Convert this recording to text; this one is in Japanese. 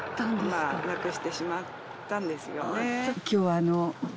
今日あの。